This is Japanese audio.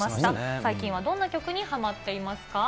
最近はどんな曲にはまっていますか？